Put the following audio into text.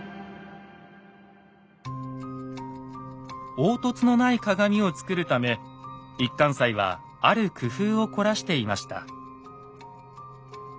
凹凸のない鏡を作るため一貫斎はある工夫を凝らしていました。